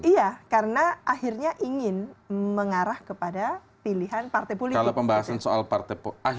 iya karena akhirnya ingin mengarah kepada pilihan partai politik